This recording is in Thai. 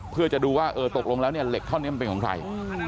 เพื่อจะดูว่าเออตกลงแล้วเนี่ยเหล็กท่อนนี้มันเป็นของใคร